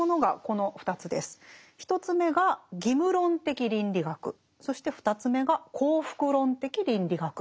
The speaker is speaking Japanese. １つ目が「義務論的倫理学」そして２つ目が「幸福論的倫理学」。